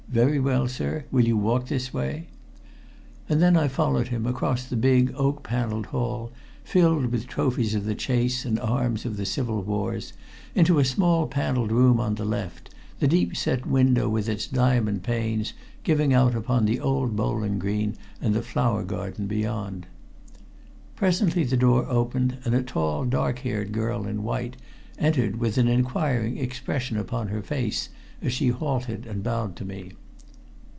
"Very well, sir. Will you walk this way?" And then I followed him across the big old oak paneled hall, filled with trophies of the chase and arms of the civil wars, into a small paneled room on the left, the deep set window with its diamond panes giving out upon the old bowling green and the flower garden beyond. Presently the door opened, and a tall dark haired girl in white entered with an enquiring expression upon her face as she halted and bowed to me.